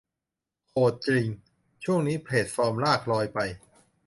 โหดจริง ช่วงนี้แพลตฟอร์มลาภลอยไป